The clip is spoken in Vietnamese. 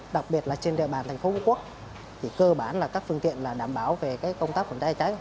đặc biệt là trên địa bàn thành phố phú quốc thì cơ bản là các phương tiện đảm bảo về công tác phòng cháy cháy